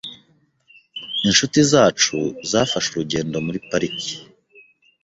Inshuti zacu zafashe urugendo muri parike .